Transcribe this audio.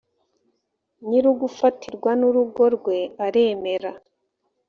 nyir’ugufatirwa n’urugo rwe aremera